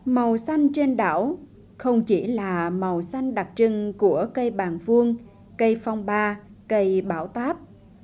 màu xanh trên đảo không chỉ là màu xanh đặc trưng của cây bàng vuông cây phong ba cây bão táp